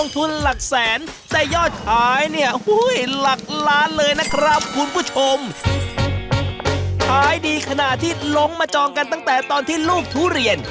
ขายดีขนาดที่ลงมาจองกันตั้งแต่ตอนที่ลูกทุเรียน